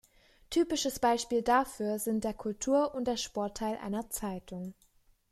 Typisches Beispiel dafür sind der Kultur- und der Sportteil einer Zeitung.